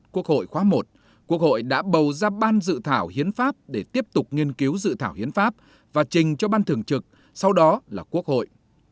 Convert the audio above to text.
quốc hội đã bầu ra ban dự thảo hiến pháp để tiếp tục nghiên cứu dự thảo hiến pháp và trình cho ban thường trực sau đó là quốc hội